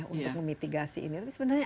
untuk memitigasi ini tapi sebenarnya